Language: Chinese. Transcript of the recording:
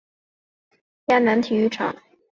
目前球队的主场设立在莎亚南体育场。